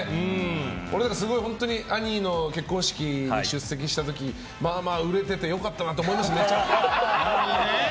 俺、すごい本当に兄の結婚式に出席した時まあまあ売れてて良かったなと思いました。